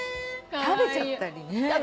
食べちゃったりね。